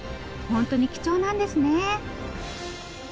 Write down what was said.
ホントに貴重なんですね。